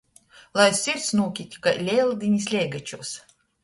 Lai sirds nūkit kai Leldīnis leigačūs.